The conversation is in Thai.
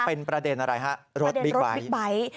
เป็นประเด็นอะไรฮะรถบิ๊กไบต์